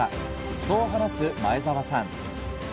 そう話す前澤さん。